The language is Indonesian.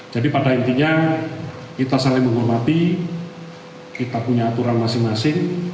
pada intinya kita saling menghormati kita punya aturan masing masing